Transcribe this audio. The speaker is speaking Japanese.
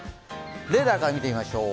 レーダーから見てみましょう。